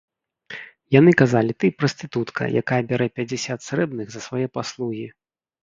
Яны казалі, ты — прастытутка, якая бярэ пяцьдзясят срэбных за свае паслугі.